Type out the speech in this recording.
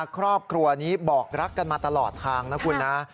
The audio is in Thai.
ครอบครัวนี้บอกรักกันมาตลอดทางนะคุณนะ